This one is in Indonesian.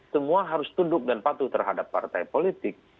semua harus tunduk dan patuh terhadap partai politik